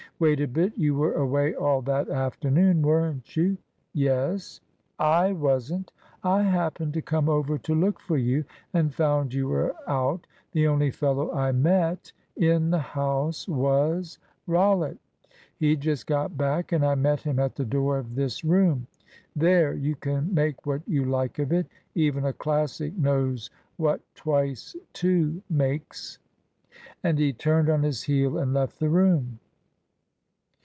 "Wait a bit. You were away all that afternoon, weren't you!" "Yes." "I wasn't. I happened to come over to look for you, and found you were out. The only fellow I met in the house was Rollitt. He'd just got back, and I met him at the door of this room. There, you can make what you like of it. Even a Classic knows what twice two makes." And he turned on his heel and left the room.